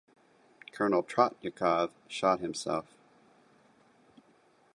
Colonel Tretyakov shot himself.